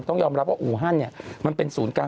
ต้องยอมรับว่าอูฮันเนี่ยมันเป็นศูนย์กลาง